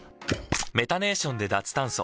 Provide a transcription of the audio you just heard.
メタネーションで脱炭素。